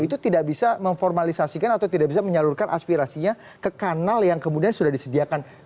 itu tidak bisa memformalisasikan atau tidak bisa menyalurkan aspirasinya ke kanal yang kemudian sudah disediakan